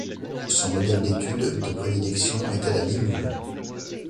Son modèle d'étude de prédilection était la limule.